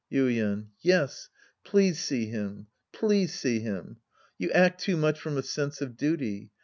Yuien. Yes. Please see him. Please see him. You act too much from a sense of duty.